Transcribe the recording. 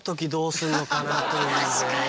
確かに。